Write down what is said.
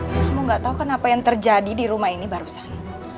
kamu gak tahu kan apa yang terjadi di rumah ini barusan